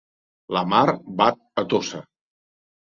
La mar bat a Tossa.